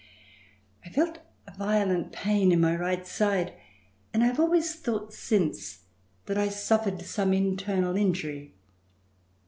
I felt a violent pain in my right side and I have always thought since that I suffered some internal injury.